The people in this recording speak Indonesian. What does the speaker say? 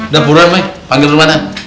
udah pulang mbak panggil rumahnya